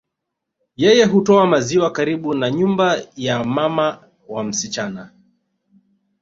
Yeye hutoa maziwa karibu na nyumba ya mama wa msichana